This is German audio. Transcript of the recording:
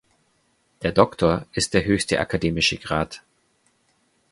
Der „Doktor“ ist der höchste akademische Grad.